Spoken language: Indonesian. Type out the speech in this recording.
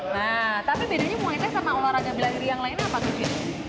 nah tapi bedanya muay thai sama olahraga belah diri yang lainnya apa cintu